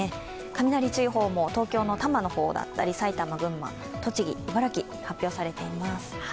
雷注意報も東京の多摩のほうだったり、埼玉、群馬、栃木、茨城、発表されています。